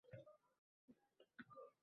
Ayollar boʻlmaydi hisobi.